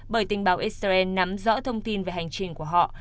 bởi tình báo israel nắm rõ thông tin về hành trình của họ